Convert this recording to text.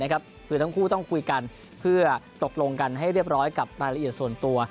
คือทั้งคู่ต้องคุยกันเพื่อตกลงกันให้เรียบร้อยกับรายละเอียดส่วนตัว